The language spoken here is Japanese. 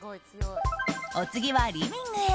お次はリビングへ。